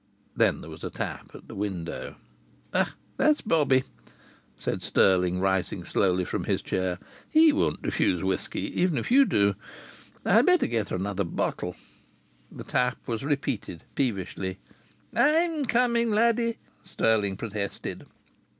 Then there was a tap on the window. "That's Bobbie!" said Stirling, rising slowly from his chair. "He won't refuse whisky, even if you do. I'd better get another bottle." The tap was repeated peevishly. "I'm coming, laddie!" Stirling protested.